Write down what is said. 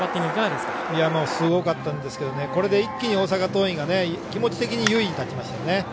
すごかったんですけどこれで一気に大阪桐蔭が気持ち的に優位に立ちましたね。